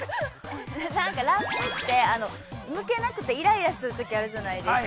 ◆なんかラップって、むけなくて、イライラするときがあるじゃないですか。